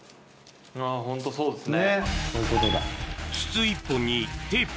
ホントそうですね。